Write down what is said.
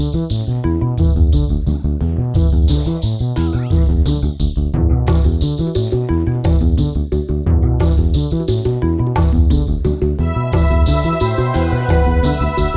saya nunggu sesuatu